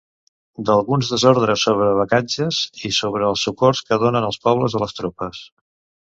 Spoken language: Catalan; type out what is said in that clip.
D'alguns desordres sobre Bagatges, i, sobre el socors que donen els pobles a les tropes.